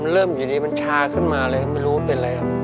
เริ่มอยู่ดีมันชาขึ้นมาเลยไม่รู้เป็นอะไรครับ